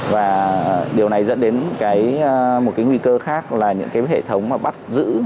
và điều này dẫn đến một nguy cơ khác là những hệ thống bắt giữ